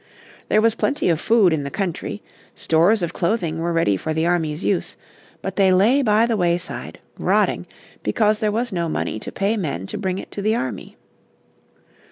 There was plenty of food in the country, stores of clothing were ready for the army's use, but they lay by the wayside, rotting, because there was no money to pay men to bring it to the army.